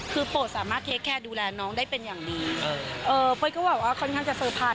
คือโปรดสามารถเทคแคร์ดูแลน้องได้เป็นอย่างดีเออเป้ยก็บอกว่าค่อนข้างจะเตอร์ไพรส